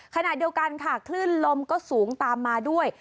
ขณะเดียวกันค่ะคลื่นลมก็สูงตามมาด้วย